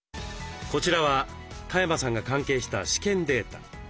こちらは多山さんが関係した試験データ。